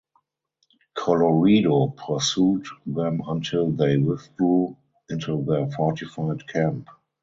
Colloredo pursued them until they withdrew into their fortified camp.